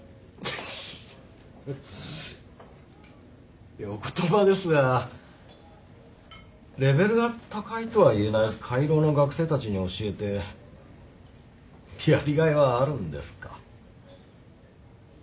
いやお言葉ですがレベルが高いとは言えない下位ローの学生たちに教えてやりがいはあるんですか？